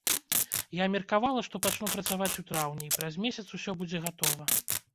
Я меркавала, што пачну працаваць у траўні і праз месяц усё будзе гатова.